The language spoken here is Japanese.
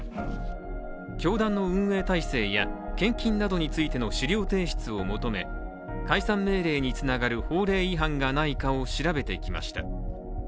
教団の運営体制や献金などについての資料提出を求め解散命令につながる法令違反がないかを調べてきました。